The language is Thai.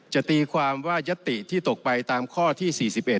ตีความว่ายัตติที่ตกไปตามข้อที่๔๑